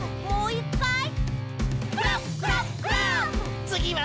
もういっかい！